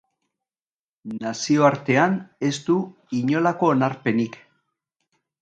Nazioartean ez du inolako onarpenik.